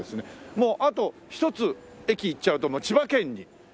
もうあと一つ駅行っちゃうと千葉県になっちゃう